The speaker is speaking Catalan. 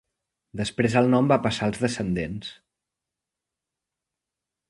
Després el nom va passar als descendents.